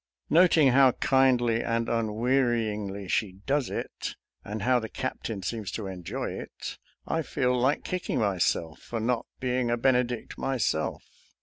Not ing how kindly and unwearyiugly she does it, and how the Captain seems to enjoy it, I feel like kicking myself for not being a Benedict myself.